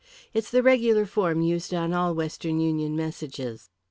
It's the regular form used on all Western Union messages."